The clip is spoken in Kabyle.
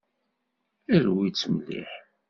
Rwit-tt mliḥ.